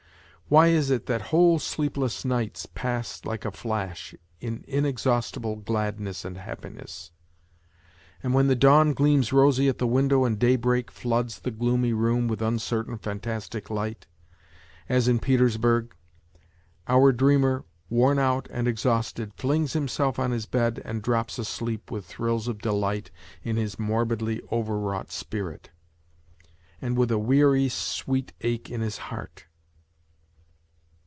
Why is it that whole sleepless nights pass like a flash in inexhaustible gladness and happiness, and when the dawn gleams rosy at the window and daybreak floods the gloomy room with uncertain, fantastic light, as in Petersburg, our dreamer, worn out and exhausted, flings himself on his bed and drops asleep with thrills of delight in his morbidly overwrought spirit, and with a weary sweet ache in his heart